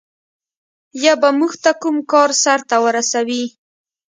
یا به موږ ته کوم کار سرته ورسوي.